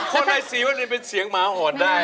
โคลรายสิทธิ์ว่าไม่เป็นเสี้ยงหมาห่วงได้